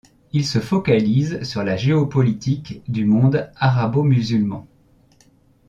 Il se focalise sur la géopolitique du monde arabo-musulman.